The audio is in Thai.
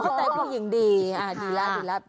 จะพูดใส่ผู้หญิงดีอ่ะดีแล้วดีแล้ว